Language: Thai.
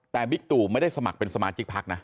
แต่บิ๊กตู่ไม่ได้สมัครเป็นสมาชิกพักนะ